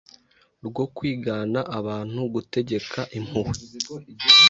rwo kwigana abantu gutegeka impuhwe